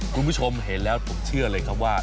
คุณผู้ชมเห็นแล้วผมเชื่อเลยครับว่า